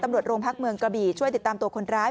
ตำรวจโรงพักเมืองกระบี่ช่วยติดตามตัวคนร้าย